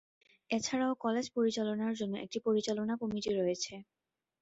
এছাড়াও কলেজ পরিচালনার জন্য একটি পরিচালনা কমিটি রয়েছে।